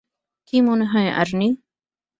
কি মনেহয়, আর্নি?